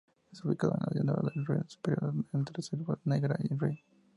Está ubicado en la llanura del Rin Superior entre Selva Negra y Rin.